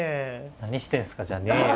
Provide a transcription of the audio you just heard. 「何してんすか」じゃねえよ。